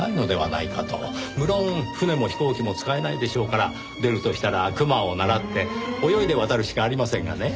無論船も飛行機も使えないでしょうから出るとしたらクマをならって泳いで渡るしかありませんがね。